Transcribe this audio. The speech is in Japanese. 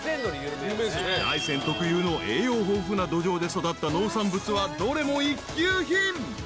［大山特有の栄養豊富な土壌で育った農産物はどれも一級品］